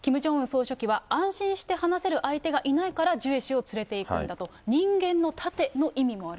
総書記は安心して話せる相手がいないからジュエ氏を連れていくんだと、人間の盾の意味もあると。